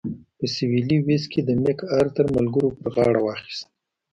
په سوېلي ویلز کې د مک ارتر ملګرو پر غاړه واخیست.